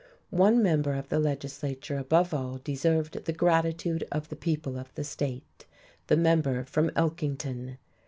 One member of the legislature above all deserved the gratitude of the people of the state, the member from Elkington.